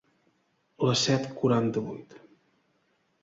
Les set quaranta-vuit.